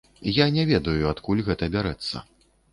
Я не ведаю, адкуль гэта бярэцца.